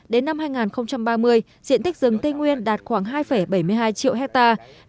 đến năm hai nghìn ba mươi diện tích rừng tây nguyên đạt khoảng hai bảy mươi hai triệu hectare